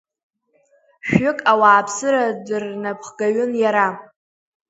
Шәҩык ауааԥсыра дырнаԥхгаҩын иара.